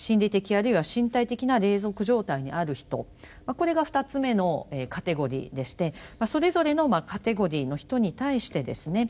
これが２つ目のカテゴリーでしてそれぞれのカテゴリーの人に対してですね